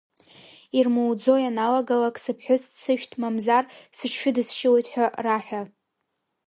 Ирмуӡо ианалагалак, сыԥҳәыс дсышәҭ, мамзар сыҽшәыдысшьылоит ҳәа раҳәа.